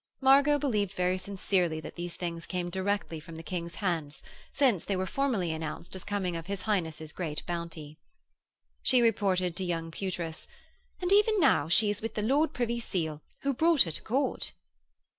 Margot believed very sincerely that these things came direct from the King's hands, since they were formally announced as coming of his Highness' great bounty. She reported to young Pewtress, 'And even now she is with the Lord Privy Seal, who brought her to Court.'